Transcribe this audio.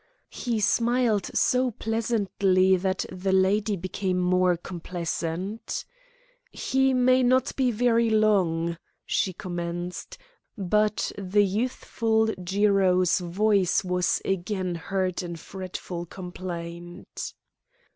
He smiled so pleasantly that the lady became more complaisant. "He may not be very long " she commenced, but the youthful Jiro's voice was again heard in fretful complaint.